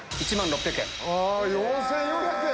４４００円！